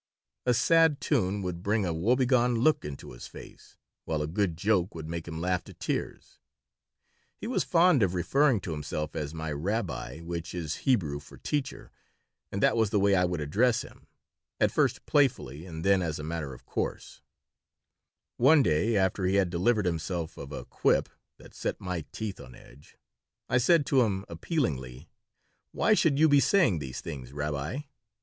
A sad tune would bring a woebegone look into his face, while a good joke would make him laugh to tears. He was fond of referring to himself as my "rabbi," which is Hebrew for teacher, and that was the way I would address him, at first playfully, and then as a matter of course One day, after he had delivered himself of a quip that set my teeth on edge, I said to him, appealingly: "Why should you be saying these things, rabbi?"